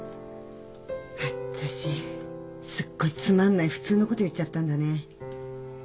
私すごいつまんない普通のこと言っちゃったんだね。